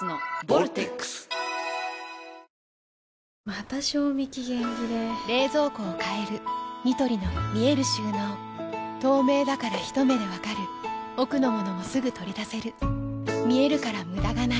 また賞味期限切れ冷蔵庫を変えるニトリの見える収納透明だからひと目で分かる奥の物もすぐ取り出せる見えるから無駄がないよし。